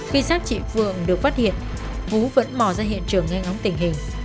khi sát chị phượng được phát hiện vũ vẫn mò ra hiện trường ngay ngóng tình hình